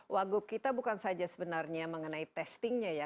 wagub kita bukan saja sebenarnya mengenai testingnya ya